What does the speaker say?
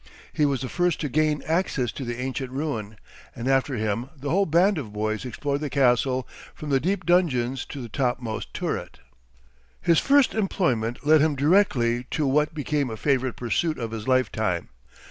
He was the first to gain access to the ancient ruin, and after him the whole band of boys explored the castle, from the deep dungeons to the topmost turret. His first employment led him directly to what became a favorite pursuit of his lifetime.